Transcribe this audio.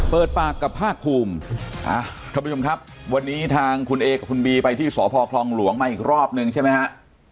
เปิดปากกับภาคภูมิท่านผู้ชมครับวันนี้ทางคุณเอกับคุณบีไปที่สพคลองหลวงมาอีกรอบนึงใช่ไหมฮะ